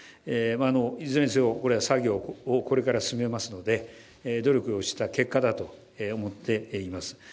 いずれにせよ、作業をこれから進めますので努力をした結果だと思っています。